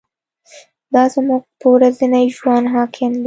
دا زموږ په ورځني ژوند حاکم دی.